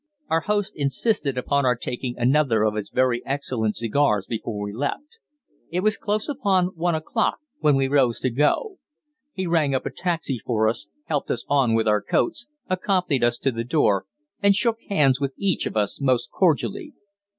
Our host insisted upon our taking another of his very excellent cigars before we left, it was close upon one o'clock when we rose to go. He rang up a taxi for us, helped us on with our coats, accompanied us to the door, and shook hands with each of us most cordially.